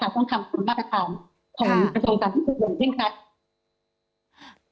ต้องทำความมากต่ำของประสงค์การที่สุดอย่างเช่นกัน